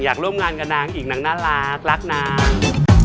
ร่วมงานกับนางอีกนางน่ารักรักนาง